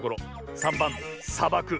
３ばんさばく。